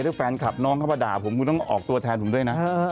ถ้าแฟนคลับน้องเข้ามาด่าผมคุณต้องออกตัวแทนผมด้วยนะ